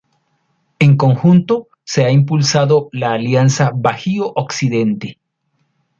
En conjunto se ha impulsado la Alianza Bajío-Occidente.